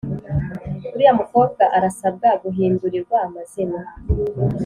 Uriya mukobwa arasabwa guhindurirwa amazina